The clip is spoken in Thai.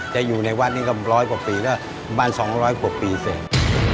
จะอยู่ในวัดนี้ก็๑๐๐กว่าปีเหลือบ้าน๒๐๐๑๐๐ปีเสร็จ